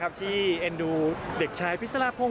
ไม่ต้องพูดต่อกันฉันแล้ว